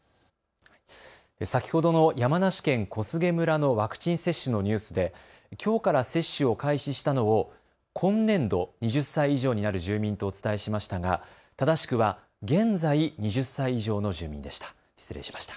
先ほどの山梨県小菅村のワクチン接種のニュースできょうから接種を開始したのを今年度２０歳以上になる住民とお伝えしましたが、正しくは現在２０歳以上の住民でした。